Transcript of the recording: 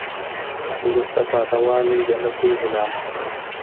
وروسته پاته والی د نه پوهې له امله دی.